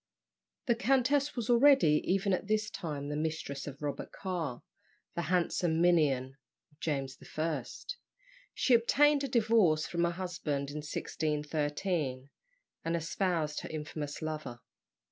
The countess was already, even at this time, the mistress of Robert Carr, the handsome minion of James I. She obtained a divorce from her husband in 1613, and espoused her infamous lover.